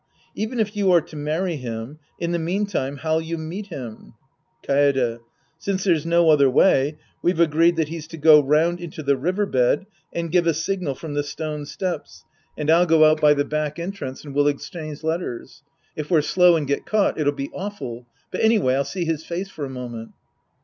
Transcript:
Even if you are to marry him, in the meantime how'll you meet him ? Kaede. Since there's no other way, we've agreed that he's to go round into the river bed and give a signal from the stone steps, and I'll go out by the 168 The Priest and His Disciples Act iV back entrance and we'll exchange letters. If we're slow and get caught, it'll be awful, but anyway I'll see his face for a moment.